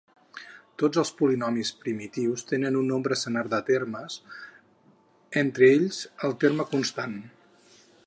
Tots els polinomis primitius tenen un nombre senar de termes, entre ells, el terme constant.